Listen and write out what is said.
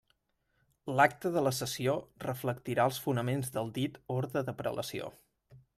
L'acta de la sessió reflectirà els fonaments del dit orde de prelació.